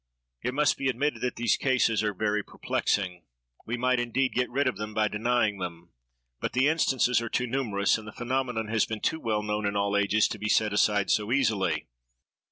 It must be admitted that these cases are very perplexing. We might, indeed, get rid of them by denying them; but the instances are too numerous, and the phenomenon has been too well known in all ages, to be set aside so easily.